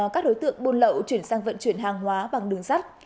các đối tượng buôn lậu chuyển sang vận chuyển hàng hóa bằng đường sắt